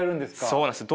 そうなんです。